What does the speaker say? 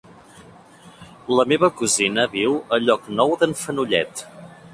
La meva cosina viu a Llocnou d'en Fenollet.